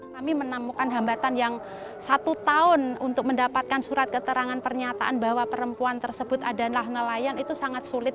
kami menemukan hambatan yang satu tahun untuk mendapatkan surat keterangan pernyataan bahwa perempuan tersebut adalah nelayan itu sangat sulit